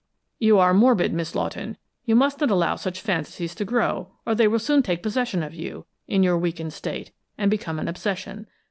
"You are morbid, Miss Lawton you must not allow such fancies to grow, or they will soon take possession of you, in your weakened state, and become an obsession.